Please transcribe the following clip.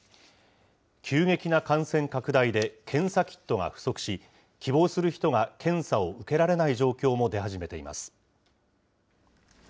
急激な感染拡大で検査キットが不足し、希望する人が検査を受けられない状況も出始めています。